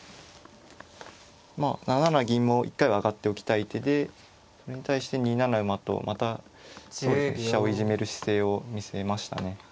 まあ７七銀も一回は上がっておきたい手でそれに対して２七馬とまたそうですね飛車をいじめる姿勢を見せましたね。